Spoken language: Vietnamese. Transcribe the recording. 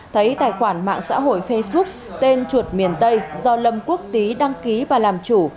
thấy tài khoản mạng xã hội facebook tên chuột miền tây do lâm quốc tý đăng ký và làm chủ